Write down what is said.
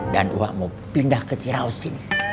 dan wah mau pindah ke ciraos ini